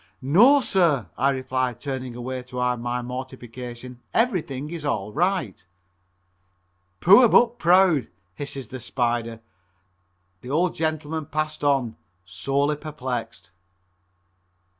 "No, sir," I replied, turning away to hide my mortification, "everything is all right." "Poor but proud," hisses the "Spider." The old gentleman passed on, sorely perplexed.